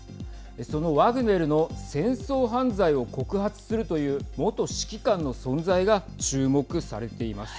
そのワグネルの戦争犯罪を告発するという元指揮官の存在がはい。